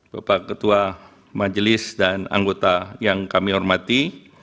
bapak ketua majelis dan anggota yang kami hormati